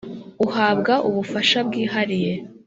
Uhabwa ubufasha bwihariye